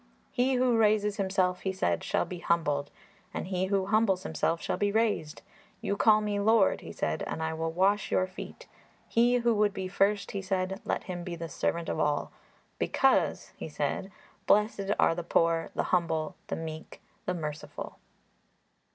'He who raises himself,' He said, 'shall be humbled, and he who humbles himself shall be raised. You call Me Lord,' he said, 'and I will wash your feet. He who would be first,' He said, 'let him be the servant of all, because,' He said, 'blessed are the poor, the humble, the meek, the merciful.